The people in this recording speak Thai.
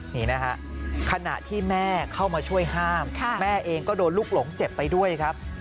นี่นะฮะขณะที่แม่เข้ามาช่วยห้ามแม่เองก็โดนลูกหลงเจ็บไปด้วยครับ